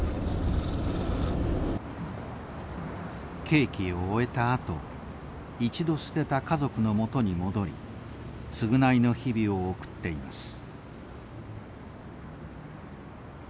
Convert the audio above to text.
刑期を終えた後一度捨てた家族のもとに戻り償いの日々を送っています。